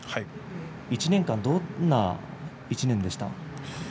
１年間、どんな１年でしたか。